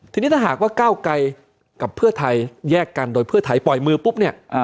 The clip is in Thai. ทีนี้ถ้าหากว่าก้าวไกรกับเพื่อไทยแยกกันโดยเพื่อไทยปล่อยมือปุ๊บเนี่ย